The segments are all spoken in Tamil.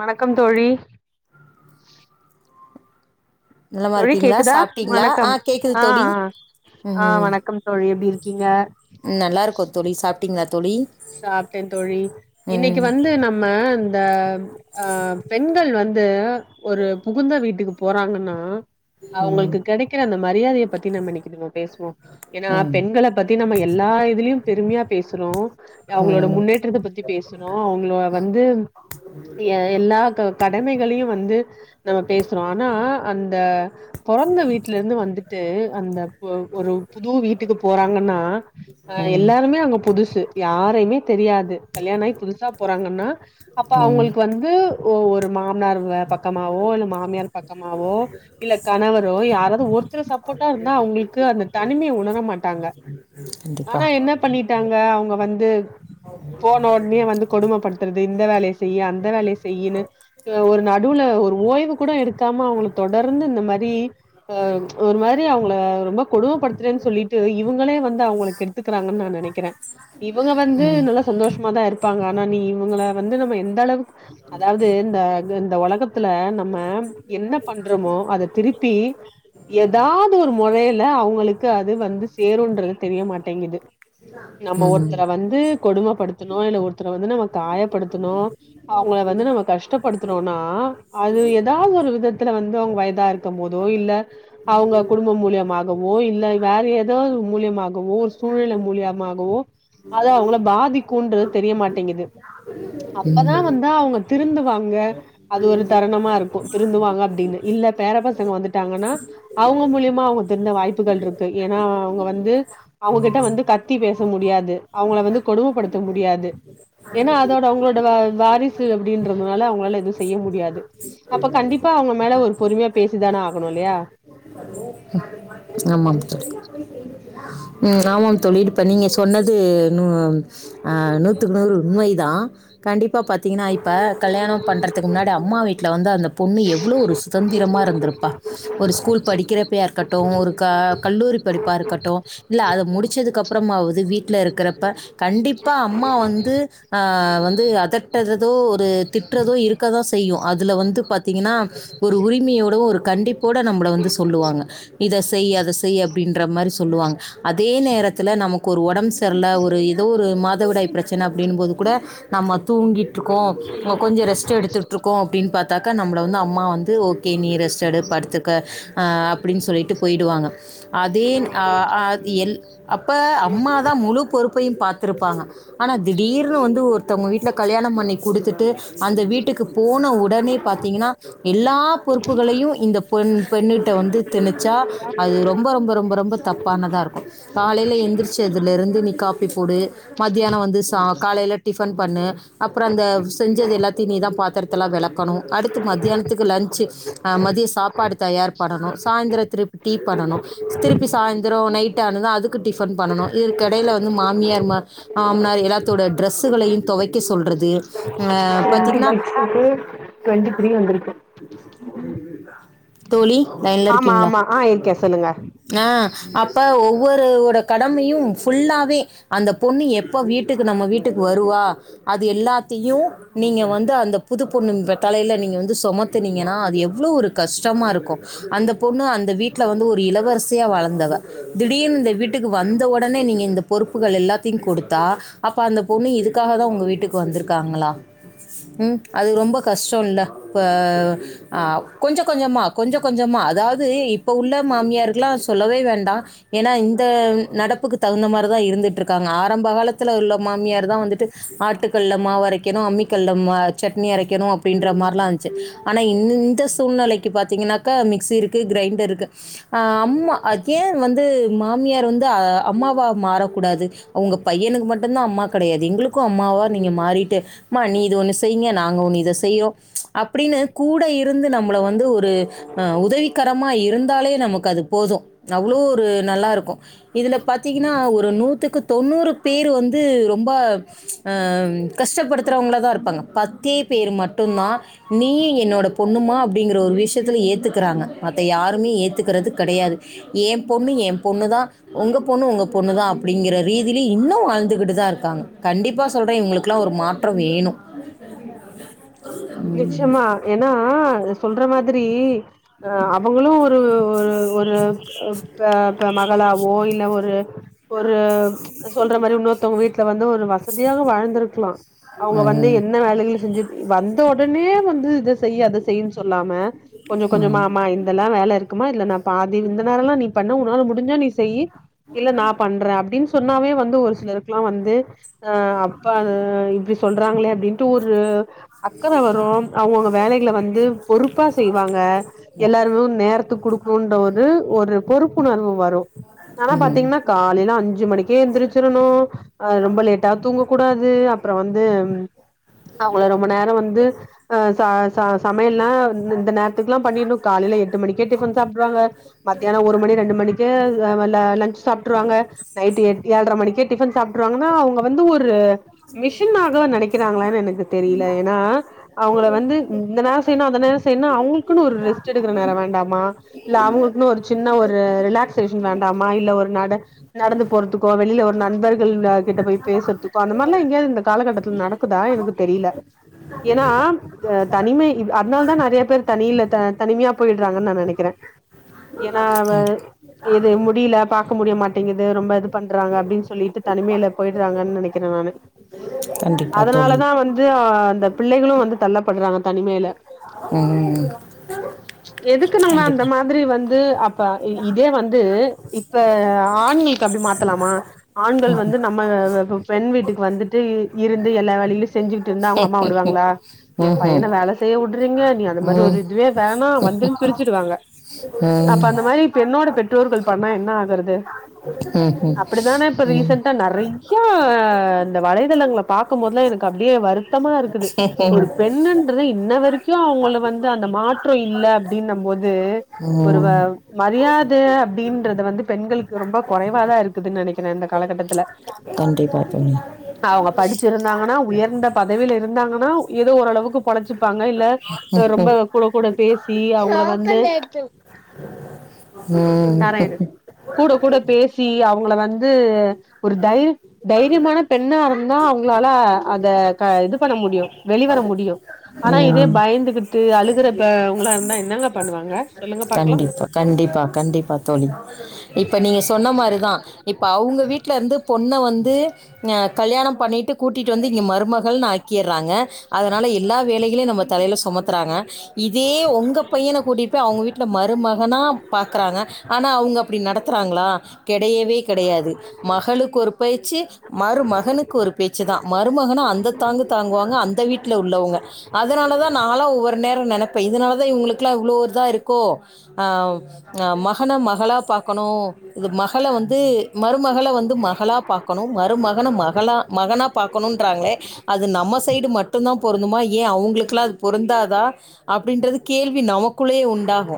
வணக்கம் தோழி நலமா தோழி இருக்கீங்களா கேக்குதா சாப்ட்டீங்களா ஆ வணக்கம் கேக்குது அ தோழி ஆ ஆ வணக்கம் தோழி எப்படி இருக்கீங்க நல்லாருக்கோ தோழி சாப்ட்டிங்களா தோழி சாப்ட்டே தோழி இன்னைக்கி ம் வந்து நம்ம இந்த ஆ பெண்கள் வந்து ஒரு புகுந்த வீட்டுக்கு போறாங்கன்னா ம் அவுங்களுக்கு கிடைக்கிற அந்த மரியாதைய பத்தி நம்ம இன்னைக்கி நம்ம பேசுவோ ஏன்னா ம் பெண்கள பத்தி நம்ம எல்லா இதுலயு பெருமையா பேசுறோ அவங்களோட ம் முன்னேற்றத்த பத்தி பேசனோ அவுங்கள வந்து எல்லா கட கடமைகளையு வந்து நம்ம பேசுறோ ஆனா அந்த பெறந்த வீட்ல இருந்து வந்துட்டு அந்த ஒரு புது வீட்டு வீட்டுக்கு போறாங்கன்னா ம் எல்லாருமே அங்க புதுசு யாரையுமே தெரியாது கல்யாணோ ஆகி புதுசா போறாங்கன்னா அப்ப ம் அவுங்களுக்கு வந்து வந்து ஒரு மாமனார் பக்கமாவோ இல்ல மாமியார் பக்கமாவோ இல்ல கணவரோ யாராது ஒருத்தர் சப்போர்ட்டா இருந்தா அவங்ளுக்கு அந்த தனிமைய உணர மாட்டாங்க [inaudible] ஆனா என்ன பண்ணிட்டாங்க அவங்க வந்து போன உட்னே வந்து கொடுமப்படுத்துறது இந்த வேலைய செய்யி அந்த வேலைய செய்யினு அ ஒரு நடுவுல ஒரு ஓய்வு கூட எடுக்காம அவங்கள தொடர்ந்து இந்த மாதி அ ஒரு மாரி அவங்கள ரொம்ப கொடுமைப்படுத்துறேன் சொல்லிட்டு இவங்களே வந்து அவங்கள கெடுத் த்துக்குறாங்கன் நா நெனைக்கிறே இவங்க வந்து ம் நல்லா சந்தோஷமாதா இருப்பாங்க ஆனா நீ இவங்கள வந்து நம்ம எந்த அளவுக் அதாது இந்த இந்த உலகத்துல நம்ம என்ன பண்றோமோ அத திருப்பி எதாவ்து ஒரு மொறையில அவங்களுக்கு அது வந்து சேரும்ன்றது தெரிய மாட்டேங்குது நம்ம ம் ஒருத்தர வந்து கொடுமப்படுத்துணு இல்ல ஒருத்தர வந்து நம்ம காயப்படுத்துணு அவங்கள வந்து நம்ம கஷ்டப்படுத்துறோனா அது எதாவ்து ஒரு விதத்துல வந்து அவங்க வயதா இரு த்தும் போதோ இல்ல அவங்க குடும்ப மூலியமாகவோ இல்ல வேற ஏதோ மூலியமாகவோ ஒரு சூழ்நில மூலியமாகவோ அத அவங்கள பாதிக்குன்றது தெரியமாட்டேங்குது அப்பதா ம் வந்து அவங்க திருந்துவாங்க அது ஒரு தருணமா இருக்கூ திருந்துவாங்க அப்டின்னு இல்ல பேர பசங்க வந்துட்டாங்கன்னா அவங்க மூலியமா அவங்க திருந்த வாய்ப்புகள் இருக்கு ஏனா அவங்க வந்து அவங்ககிட்ட வந்து கத்தி பேச முடியாது அவங்கள வந்து கொடுமப்படுத்த முடியாது ஏனா அதோட அவங்களோடவ வாரிசு அப்டின்றதுனால அவங்களால எதுவு செய்ய முடியாது அப்ப கண்டிப்பா அவங்க மேல ஒரு பொறுமையா பேசிதான ஆகணு இல்லையா ஆமாங்க தோர் ம் ஆமாம் தோழி இப்ப நீங்க சொன்னது நூ ஆ நூத்துக்கு நூறு உண்மைதா கண்டிப்பா பத் திங்கனா இப்ப கல்யாணோ பண்றதுக்கு முன்னாடி அம்மா வீட்ல வந்து அந்த பொண்ணு எவ்ளோ ஒரு சுதந்திரமா இருந்துருப்பா கிறப்பையா இருக்கட்டு ஒரு க கல்லூரி படிப்பா இருக்கட்டு இல்ல அத முடிச்சதுக்கு அப்புறமாவது வீட்ல இருக்கிறப்ப கண்டிப்பா அம்மா வந்து அ வந்து அதட் டறதோ ஒரு திட்றதோ இருக்க தா செய்யு அதுல வந்து பாத்தீங்கன்னா ஒரு உரிங்கையோட ஒரு கண்டிப்போட நம்மள வந்து சொல்லுவாங்க இத செய் அத செய் அப்டின்ற மாரி சொல்லுவாங் அதே நேரத்துல நம க்கு ஒரு ஒடம்பு சர்ல ஒரு ஏதோ ஒரு மாதவிடாய் பிரச்சனை அப்டின்னு போது கூட நம்ம தூங்கிட்ருக்கோ ம கொஞ்சோ ரெஸ்ட் எடுத்துட்டுருக்கோ அப்டினு பாத் தாக்க நம்ள வந்து அம்மா வந்து ஓகே நீ ரெஸ்ட் எடு படுத்துக்க அ அப்படின் சொல்லிட்டு போயிடுவாங்க அதே அ அ எல் அப்ப அம்மாதா முழு பொறுப் கையு பாத்துருப்பாங்க ஆனா திடீர்னு வந்து ஒருத்தங்க வீட்ல கல்யாணம் பண்ணி குடுத்துட்டு அந்த வீட்டுக்கு போன உடனே பாத்தீங்கன்னா எல்லா பொறுப்புகளையு இந்த பெண் பெண்ணு த வந்து திணிச்சா அது ரொம்ப ரொம்ப ரொம்ப ரொம்ப தப்பானதா இருக்கு காலையில எந்திரிச்சதுல இருந்து நீ காப்பி போடு மத்தியானோ வந்து சா காலையில டிஃபன் பண்ணு அப்பறோ அந்த செஞ்சது எல்லாத்தையு நீதா பாத்தர எல்லா வெளக்கணு அடுத்து மத்யானத்துக்கு லன்சு ஆ மதியோ சாப்பாடு தயார் பண்ணணு சாய்ந்திரோ திருப்பி டீ பண்ணனு ஸ்திருப்பி சாய்ந்தரோ நைட் ஆனது அதுக்கு டிஃபன் பண்ணனு இரு கெடையில வந்து மாமியார் மா மாமனார் எல்லாத்தோட ட்ரெஸ்ஸுகளையு தொவைக்க சொல்றது அ டுவெண்டி பத்தீங்கன்னா சிக்ஸுக்கு டுவெண்டி த்ரீ வந்திருக்கு தோழி லைனில் ஆமா இருக்கீங்களா ஆமா ஆ இருக்கே சொல்லுங்க ஆ அப்ப ஒவ்வொருவுட கடமையு ஃபுல்லாவே அந்த பொண்ணு எப்ப வீட்டுக்கு நம்ம வீட்டுக்கு வருவா அதுயெல்லாத்தையு நீங்க வந்து அந்த புது பொண்ணு தலையில நீங்க வந்து சொமத்துனீங்கன்னா அது எவ்ளோ ஒரு கஷ்டமாருக்கூ அந்த பொண்ணு அந்த வீட்ல வந்து ஒரு இளவரசியா வளந்தவ திடீர்னு இந்த வீட்டுக்கு வந்த ஒடனே நீங்க இந்த பொறுப்புகள் எல்லாத்தையு கொடுத்தா அப்போ அந்த பொண்ணு இதுக்காக தா உங்க வீட்டுக்கு வந்திருக்காங்களா ம் அது ரொம்ப கஷ்டொ இல்ல ப்ப அ கொஞ்ச கொஞ்சமா கொஞ்ச கொஞ்சமா அதாது இப்ப உள்ள மாமியார்க்லா சொல்லவே வேண்டா ஏனா இந்த நடப்புக்கு தகுந்த மாரிதா இருந்துட்ருக்காங்க ஆரம்ப காலத்துல உள்ள மாமியார் தா வந்துட்டு ஆட்டுக்கல்ல மாவு அரைக்கணு அம்மி கல்ல ம சட்னி அரைக்கணு அப்டின்ற மார்லா செரி ஆனா இந்தெந்த சூழ்நிலைக்கு பாத்தீங்கனாக்கா மிக்சி இருக்கு கிரைண்டர் இருக்கு அ அம்மா அகைன் வந்து மாமியார் வந்து அம்மாவா மாறக்கூடாது ஒங்க பையனுக்கு மட்டுதா அம்மா கெடையாது எங்ளுக்கு அம்மாவா நீங்க மாறிட்டு மா நீ இத ஒன்னு செய்ங்க நாங்க ஒன்னு இத செய்றோ அப்டினு கூட இருந்து நம்மள வந்து ஒரு ஒரு அ உதவிகரமா இருந்தாலே நமக்கு அது போது அவ்ளோ ஒரு நல்லாருக்கூ இதுல பாத்தீங்கனா ஒரு நூத்துக்கு தொண்ணூறு பேரு வந்து ரொம்ப அ கஷ்டப்படுத்துறவங்களா தா இருப்பாங்க பத்தே பேரு மட்டு தா நீயீ என்னோட பொண்ணுமா அப்டிங்கிற ஒரு விஷயத்துல ஏத் ஏத்துக்கிறாங்க மத்த யாருமே ஏத்துக்கிறது கெடையாது ஏ பொண்ணு ஏ பொண்ணு தா ஒங்க பொண்ணு ஒங்க பொண்ணு தா அப்டிங்கிற ரீதிலே இன்னு வாழ்ந்துகிட்டு தா இருக்காங்க கண்டிப்பா சொல்றே இவுங்ளுக்குலா ஒரு மா ற்ற வேணு நிச்சிமா ஏனா இது சொல்ற மாதிரி அ அவுங்களு ஒரு ஒரு [unintelligible] ளவோ இல்ல ஒரு ஒரு சொல்ற மாரி இன்னொருத்தவங்க வீட் ட்ல வந்து ஒரு வசதியாக வாழ்ந்திருக்லா அவுங்க வந்து ம், எந்த வேலைகளையு செஞ்சு வந் ந்த ஒடனே வந்து இத செய் அத செய்னு சொல்லாம கொஞ்ச கொஞ்சமா மா இந்தெல்லா வேல இருக்குமா இதுல நா பாதி இந்த வேலலா நீ பண்ணு ஒன்னால முடிஞ்சா நீ செய்யி இல்ல நா பண்றே அப்டின் சொன்னாவே வந்து ஒரு சிலருகுலா வந்து அ அப்பா இப்டி சொல்றாங்களே அப்டின்ட்டு ஒரு அக்கற வரு அவுங்கவுங்க வேலைகள வந்து பொறுப்பா செய்வாங்க எல்லாருமு நேரத்துக் குடுக்கணுன்ற ஒரு ஒரு பொறுப்புணர்வு வரு ஆனா ம். பாத்தீங்ன்னா காலையில அஞ்சு மணிக்கே எந்திரிச்சிரணு அ ரொம்ப லேட்டா தூங்க கூடாது அப்றோ வந்து அவங்கள ரொம் நம்ம நேர வந்து ஆ ச ச சமையல்லா இந் இந்த நேரத்துக்லா பண்ணிணு காலையில எட்டு மணிக்கே டிஃபன் சாப்ட்ருவாங்க மத்தியான ஒரு மணி ரெண்டு மணிக்கே வல லஞ்ச் சாப்ட்ருவாங்க நைட் எட் ஏழ்ர மணிக்கே டிஃபன் சாப்ட்டுருவாங்கனா அவுங்க வந்து ஒரு மிஷினாதா நெனக்கிறாங்களானு எனக்கு தெரி ல்ல எனா அவுங்கள வந்து இந்த நேர செய்னு அந்த நேர செய்னுனா அவுங்ளுக்குன்னு ஒரு ரெஸ்ட் எடுக்கிற நேர வேண்டாமா இல்ல அவுங்களுக்குன்னு ஒரு சின்ன ஒரு ரிலாக்சேஷன் வேண்டாமா இல்ல ஒரு நட நடந்து போறதுக்கோ வெளியில ஒரு நண்பர்கள் கிட்ட போய் பேசுறதுக்கோ அந்த மார்லா எங்கயாவ்து இந்த காலகட்டத்துல நட க்கு தா எனக்கு தெரில ஏனா இது தனிமை இத் அதனால தா நெறைய பேர் தனியில த தனிமையா பொயிட்றாங்கன் நா நெனைக்கிறே ஏன்னா அவ கண்டிப்பா இது முடியில பா க்க முடிய தோழி இதோ ரொம்ப இது பண்றாங்க அப்டின் சொல்லிட்டு தனிமையில பொயிட்றாங்கனு நெனைக்கிறே நானு கண்டிப்பா தோழி அதனாலதா வந்து அந்த பிள்ளைகளு வந்து தள்ளப்பட்றாங்க தனிமையில ம் எதுக்கு நம்ம அந்த கண்டிப்பா மாதிரி வந்து அப்ப இ இதே வந்து இப்ப ஆண்களுக்கு அப்டி மாத் ருக்கலாமா ஆண்கள் ம், வந்து நம்ம பெண் வீட்டுக்கு வந்துட்டு இருந்து எல்லா வேலையிலு செஞ்சுட்டு இருந்தா அவங்க சும்மா விடுவாங்ளா எ ம்ஹும். பையன வேல செய்ய உட்றீங்க நீ அந்த மாரி ஒரு ம், இதுவே வேணா வந்துருனு பிரிச்சிசுடுவாங்க ம், அப்ப அந்த மாதிரி பெண்ணோட பெற்றோர்கள் பண்ணா என்ன ஆகறது ம் ம் அப்டித்தான இப்ப ரீசண்டா நெறையா இந்த வலைதளங்கள பாக்கும் போதுலா எனக்கு அப்டியே வருத் சுத்தமா இருக்குது ஒரு பெண்ணுன்றது இன்ன வரைக்கு அவுங்கள வந்து அந்த மாற்ற இல்ல அப்டின்னம் போது ஒரு வ ம். மரியாத அப்டின்றது வந்து பெண்களுக்கு ரொம்ப கொறைவாதா இருக் இருக்குதுன் நெனைக்கிறே இந்த காலகட்டத்துல கண்டிப் அவ்ங்க படிச்சிருந்தாங்கனா உயர்ந்த பதவில இருந்தாங்கனா எதோ ஓரளவுக்கு கொலச்சிப்பாங்க இல்ல ம், ரொம்ப கூட கூட பேசி அவங்க வந்து ம் தரே இரு கூட கூட பேசி அவ்ங்கள வந்து ஒரு தை தைரியமான பெண்ணா இருந்தா அவ்ங்களால அத க இது பண்ண முடியு வெளிவர முடியு ஆனா இதே ம். பயந்துகிட் டு அழுகுறப்ப அவங்களா இருந்தா என்னங்க பண்ணுவாங்க சொல்லுங்க பாக்கலா கண்டிப்பா கண்டிப்பா கண்டிப்பா தோழி இப்ப நீங்க சொன்ன மாரிதா இப்ப அவ்ங்க வீட்ல இருந்து பொண்ண வந்து அ கல்யாணம் பண்ணிட்டு கூட்டிட்டு வந்து இங்க மருமகள்னு ஆக்கிறாங்க அதனால எல்லா வேலைகளையு நம்ம தலைல சுமத்துறாங்க இதே உங்க பையன கூட்டிப்போய்‌ அவங்க வீட் மருமகனா பாக்றாங்க ஆனா அவங்க அப்டி நடத்துறாங்களா கெடையவே கெடையாது மகளுக்கு ஒரு பேச்சு மருமகனுக்கு ஒரு பேச்சு தா மருமகன அந்த தாங்கு தாங்குவாங்க அந்த வீட்ல உள்ளவங்க அதனாலதா நாலா ஒவ்வொரு நேரோ நெனைப்ப இதனாலதா இவங்களுக்குல்லா இவ்ளோ இதா இருக் கோ அ அ மகன மகளா பாக்கணு இது மகள வந்து மருமகள வந்து மகளா பாக்கணு மருமகன மகளா மகனா பாக்கணுன்றாங்களே அது நம்ம சைடு மட்டுந்தா பொருந்துமா ஏ அவ்ங்களுக்குலா அது பொருந்தாதா அப்டின்றது கேள்வி நமக்குள்ளயே இதாகு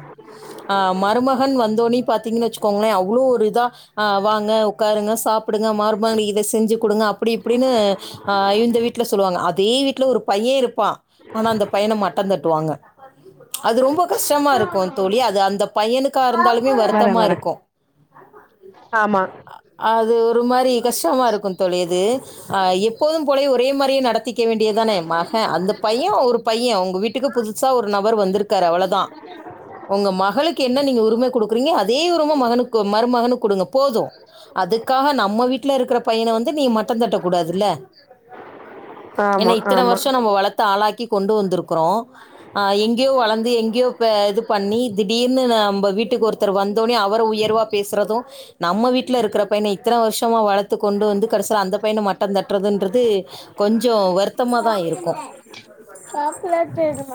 ஆ மருமகன் வந்தோனே பாத்தீங்கனா வெச்சுக்கோங்களே அவ்ளோ ஒரு இதா ஆ வாங்க உக்காருங்க சாப்டுங்க மருமகனுக்கு இத செஞ்சு குடுங்க அப்டி இப்டின்னு ஆ இந்த வீட்ல சொல்லுவாங்க அதே வீட்ல ஒரு பைய இருப் நா ஆனா அந்த பையன மட்டந் தட்டுவாங்க அது ரொம்ப கஷ்டமா இருக் கு தோழி அது அந்த பையனுக்கா இருந்தாலுமே வரே வருத்தமா வரே இருக்கு ஆமா அது ஒரு மாரி கஷ்டமா இருக்கு தோழி அது ஆ எப்போதும் போலயே ஒரே மாரியே நடக் திக்க வேண்டியதானே மகன் அந்த பைய ஒரு பைய உங்க வீட்டுக்கு புதுசா ஒரு நபர் வந்திருக்காரு அவ்வளதா ஒங்க மகளுக்கு என்ன நீங்க உரிம குடுக்குறீங்க அதே உரிம மகனுக்கு மருமகனுக்கு குடுங்க போது அதுக்காக நம்ம வீட்ல இருக்கிற பையன வந்து நீங்க மட்டந்தட்ட கூடாதுல்ல ஏன்னா ஆமா இத்தன ஆமா வருஷோ நம்ம வளத் த்து ஆளாக்கி கொண்டு வந்திருக்கிறோ ஆ எங்கேயோ வளந்து எங்கேயோ பெ இது பண்ணி திடீர்னு நம்ப வீட்டுக்கு ஒருத்தர் வந் தோனே அவர உயர்வா பேசுறது நம்ம வீட்ல இருக்கிற பையன இத்தன வருஷமா வளத் த்து கொண்டு வந்து கடசில அந்த பையன மட்டந் தட்றதுன்றது கொஞ்ச வருத்தமா தா இருக்கு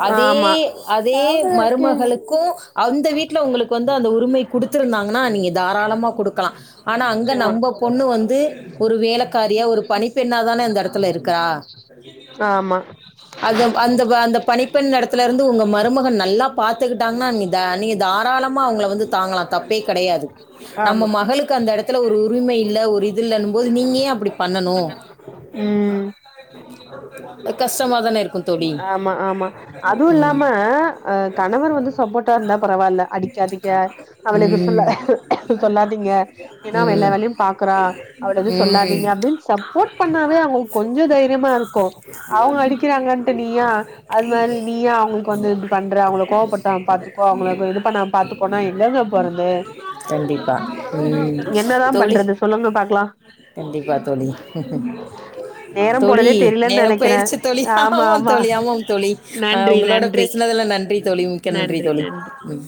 அதே ஆமா அதே மருமகளுக் க்கும் அந்த வீட்டல உங்களுக்கு வந்து அந்த உரிமை குடுத்துருந்தாங்கன்னா நீங்க தாராளமா குடுக்கலாம் ஆனா அங்க நிச்சயமா நம்ம பொண்ணு வந்து ஒரு வேல காரியா ஒரு பணிப்பெண்ணா தான இந்த எடத்துல இருக்குறா ஆமா அது அந்த அந்த பணிப்பெண் எடத்துல இருந்து உங்க மருமகள் நல்லா பாத்து தன்னா இதா நீ நீங்க தாராளமா அவங்க வந்து தாங்கலாம் தப்பே கெடயாது நம்ம ஆமா மகளுக்கு அந்த இடத்துல ஒரு உரிமை இல்ல ஒரு இது இல்லன்னும் போது நீங்க ஏன் அப்படி பண்ணனும் ம் கஷ்டமாதானே இருக்கும் தோழி ம் ஆ கணவர் வந்து சப்போட்டா இருந்தா பரவால்ல அடிக்க அடிக்க அவனுக்கு சொல்ல ம் சொல்லாதீங்க ஏன்னா அவ எல்லா ம் வேலயும் பாக்குறா அவள எதும் ம் சொல்லாதீங்க அப்படின்னு சப் போர்ட் பண்ணாவே அவுங்ளுக்கு கொஞ்ச தைரியமா இருக்கு அவங்க அடிக்க பக்கிறாங்கட்டு நீயா அது மாறி நீயா அவங்களுக்கு வந்து பண்ற அவங்கள கோவப்படுத்தாம பாத்துக்கோ அவங்கள இது பண்ணாம பாத்துக்கோனா எங்கங்க போறது கண்டிப்பா ம் என்னதா தோழி பண்றது சொல்லுங்க பாக்கலா கண்டிப்பா தோழி நேரம் தோழி போனதே தெரியலன்னு நேரம் நெனைக்கிறே போயிருச்சு தோழி ஆமா ஆமாம் ஆமா தோழி ஆமாம் தோழி ஆ நன்றி உங்களோட நன்றி பேசுனதுல்ல நன்றி தோழி மிக்க நன்றி தோழி